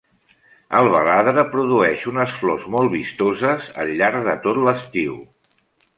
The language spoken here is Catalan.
El baladre produeix unes flors molt vistoses al llarg de tot l'estiu.